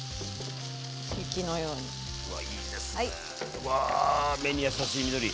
うわあ目に優しい緑。